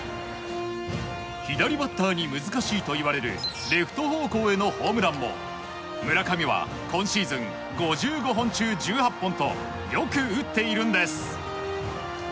左バッターに難しいといわれるレフト方向へのホームランも村上は今シーズン５５本中１８本とよく打っているんです。